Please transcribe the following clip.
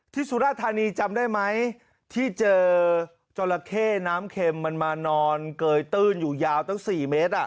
สุราธานีจำได้ไหมที่เจอจราเข้น้ำเข็มมันมานอนเกยตื้นอยู่ยาวตั้ง๔เมตร